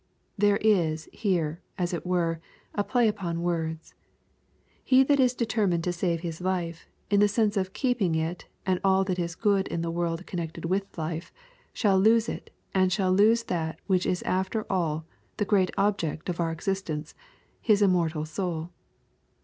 \ There is here, as it were, a play upon words. He that is determined to save his life, — in the sense of keeping it and all that is good in this world connected with hfe, — shall lose it, shall lose tlmt which is afler all the great object of our existence, his immortal soul.